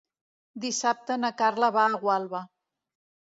Dissabte na Carla va a Gualba.